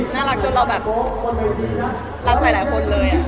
น่ารักจนเราแบบรักหลายคนเลย